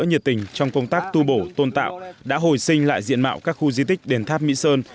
nhiệt tình trong công tác tu bổ tôn tạo đã hồi sinh lại diện mạo các khu di tích đền tháp mỹ sơn